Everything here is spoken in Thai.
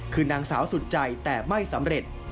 คือนางสาวสุดใจแต่ไม่สำเร็จ